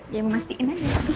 ya memastikan aja